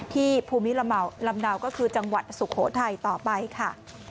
ภูมิลำเนาก็คือจังหวัดสุโขทัยต่อไปค่ะ